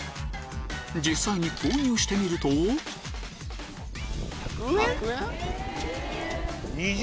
実際に購入してみると１００円？